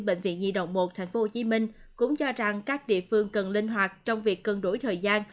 bệnh viện di đồng một tp hcm cũng cho rằng các địa phương cần linh hoạt trong việc cân đổi thời gian